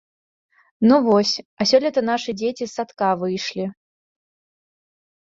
Ну вось, а сёлета нашы дзеці з садка выйшлі.